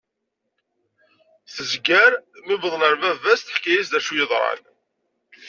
Tezger mi wḍen ɣer baba-s teḥka-as acu yeḍran.